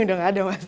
udah gak ada mas